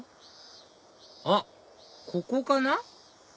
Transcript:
あっここかな？